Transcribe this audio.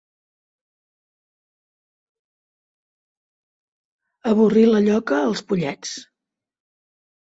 Avorrir la lloca els pollets.